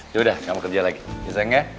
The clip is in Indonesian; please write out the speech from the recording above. yaudah kamu kerja lagi bisa gak